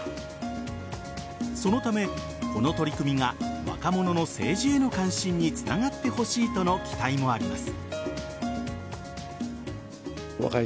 そのため、この取り組みが若者の政治への関心につながってほしいとの期待もあります。